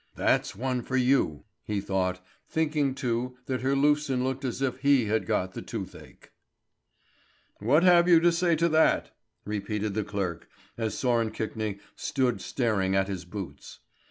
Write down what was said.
"That's one for you!" he thought, thinking too that Herlufsen looked as if he had got the toothache. "What have you to say to that?" repeated the clerk, as Sören Kvikne stood staring at his boots.